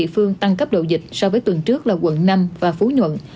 một địa phương tăng cấp độ dịch so với tuần trước là quận năm và phú nhuận